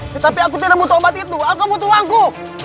tetapi aku tidak mau tobat itu aku butuh wangku